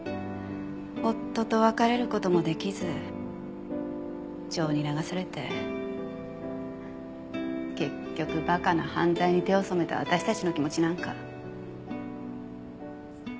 夫と別れる事もできず情に流されて結局馬鹿な犯罪に手を染めた私たちの気持ちなんか。